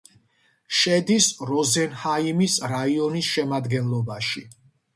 შედის როზენჰაიმის რაიონის შემადგენლობაში.